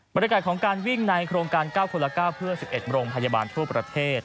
บรรยากาศของการวิ่งในโครงการ๙คนละ๙เพื่อ๑๑โรงพยาบาลทั่วประเทศ